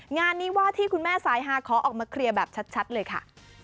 งานนี้ว่าที่คุณแม่สายฮาขอออกมาเคลียร์แบบชัดเลยค่ะ